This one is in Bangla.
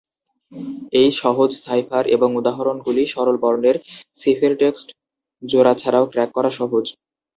এই সহজ সাইফার এবং উদাহরণগুলি সরল বর্ণের-সিফেরটেক্সট জোড়া ছাড়াও ক্র্যাক করা সহজ।